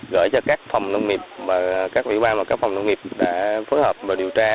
gửi cho các phòng nông nghiệp và các ủy ban và các phòng nông nghiệp đã phối hợp và điều tra